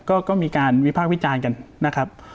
ก็มีการวิพากษ์วิจารณ์กันนะครับ